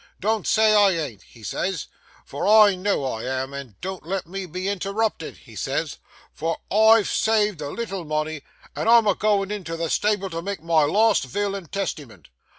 Don't say I an't," he says, "for I know I am, and don't let me be interrupted," he says, "for I've saved a little money, and I'm a goin' into the stable to make my last vill and testymint."